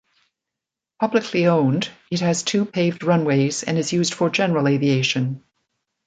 Publicly owned, it has two paved runways and is used for general aviation.